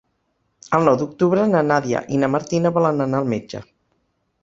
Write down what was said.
El nou d'octubre na Nàdia i na Martina volen anar al metge.